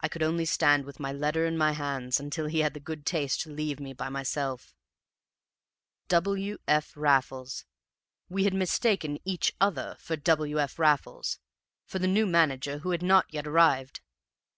I could only stand with my own letter in my hands until he had the good taste to leave me by myself. "W. F. Raffles! We had mistaken EACH OTHER for W. F. Raffles for the new manager who had not yet arrived!